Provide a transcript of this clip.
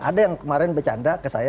ada yang kemarin bercanda ke saya